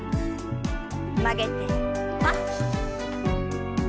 曲げてパッ。